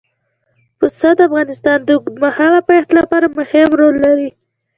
پسه د افغانستان د اوږدمهاله پایښت لپاره مهم رول لري.